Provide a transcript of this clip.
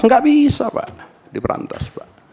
tidak bisa pak di berantas